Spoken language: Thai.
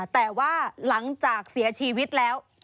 แต่ว่าหลังจากเสียชีวิตแล้ว